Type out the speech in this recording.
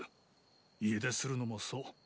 家出するのもそう。